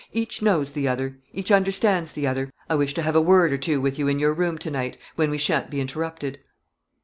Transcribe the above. Each knows the other; each understands the other. I wish to have a word or two with you in your room tonight, when we shan't be interrupted."